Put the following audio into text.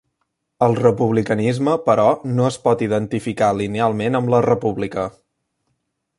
El republicanisme, però, no es pot identificar linealment amb la república.